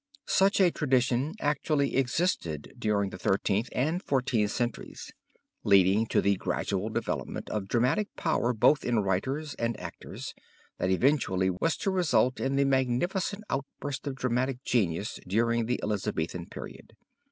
Such a tradition actually existed during the Thirteenth and Fourteenth centuries, leading to a gradual development of dramatic power both in writers and actors, that eventually was to result in the magnificent outburst of dramatic genius during the Elizabethan period.